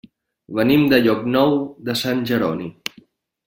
Venim de Llocnou de Sant Jeroni.